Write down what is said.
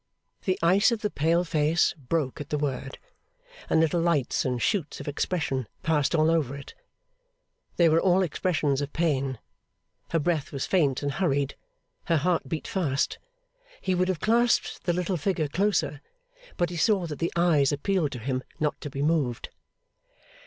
The ice of the pale face broke at the word, and little lights and shoots of expression passed all over it. They were all expressions of pain. Her breath was faint and hurried. Her heart beat fast. He would have clasped the little figure closer, but he saw that the eyes appealed to him not to be moved.